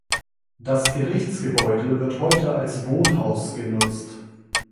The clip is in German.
Das Gerichstgebäude wird heute als Wohnhaus genutzt.